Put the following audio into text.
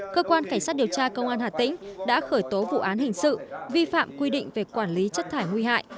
cơ quan cảnh sát điều tra công an hà tĩnh đã khởi tố vụ án hình sự vi phạm quy định về quản lý chất thải nguy hại